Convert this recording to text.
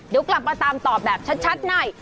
เดี๋ยวกลับมาตามตอบแบบชัดใน